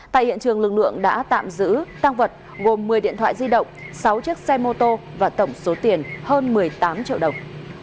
tại hiện trường lực lượng đã tạm giữ tăng vật gồm một mươi điện thoại di động sáu chiếc xe mô tô và tổng số tiền hơn một mươi tám triệu đồng